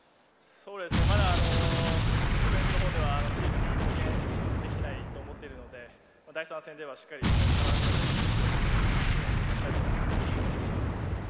まだオフェンスのほうでは、チームに貢献できていないと思っているので第３戦ではしっかり最初からアグレッシブにいって、チームに貢献したいと思います。